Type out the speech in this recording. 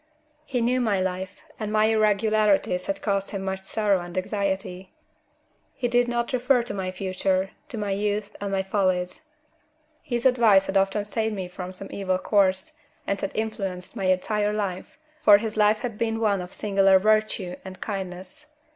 He knew my life, and my irregularities had caused him much sorrow and anxiety. He did not refer to my future, to my youth and my follies. His advice had often saved me from some evil course, and had influenced my entire life, for his life had been one of singular virtue and kindness.